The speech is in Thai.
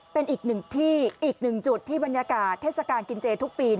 เป็นอีกหนึ่งที่อีกหนึ่งจุดที่บรรยากาศเทศกาลกินเจทุกปี